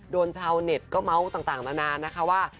โดนเช่าเน็ตก็เมาต์ต่างนานนะคะว่า